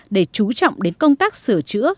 để chú trọng đến công tác sửa chữa